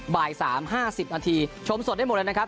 บ่าย๓๕๐นาทีชมสดได้หมดเลยนะครับ